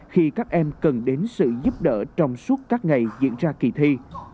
khi các em cần đến sự giúp đỡ trong suốt các ngày diễn ra kỳ thi